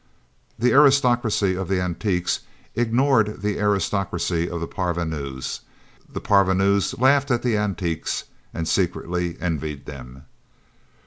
The aristocracy of the Antiques ignored the aristocracy of the Parvenus; the Parvenus laughed at the Antiques, (and secretly envied them.)